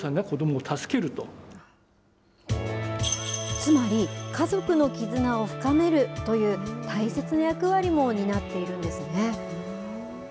つまり、家族の絆を深めるという大切な役割も担っているんですね。